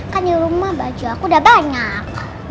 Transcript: kan di rumah baju aku udah banyak